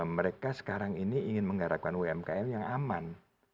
mereka sekarang ini ingin mengharapkan umkm yang aman